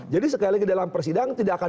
jadi sekali lagi dalam persidangan tidak akan